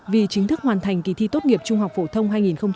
vì chính thức hoàn thành kỳ thi tốt nghiệp trung học phổ thông hai nghìn hai mươi